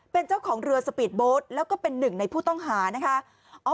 เป็นเจ้าของเรือสปีดโบ๊ทแล้วก็เป็นหนึ่งในผู้ต้องหานะคะ